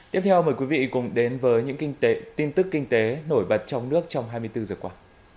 tiếp theo mời quý vị cùng đến với những tin tức kinh tế nổi bật trong nước trong hai mươi bốn giờ qua